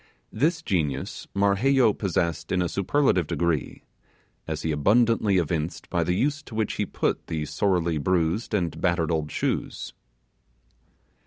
This genius Marheyo possessed in a superlative degree, as he abundantly evinced by the use to which he put those sorely bruised and battered old shoes.